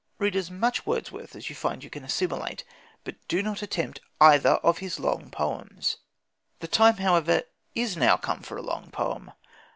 Read as much Wordsworth as you find you can assimilate, but do not attempt either of his long poems. The time, however, is now come for a long poem.